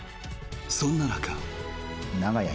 そんな中。